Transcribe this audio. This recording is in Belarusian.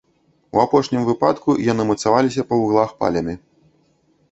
У апошнім выпадку яны мацаваліся па вуглах палямі.